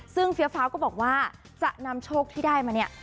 ซึ่งเฟียฟ้าก็บอกว่าจะนำโชคที่ได้มาเนี่ย